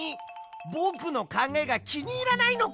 ぼくのかんがえがきにいらないのか？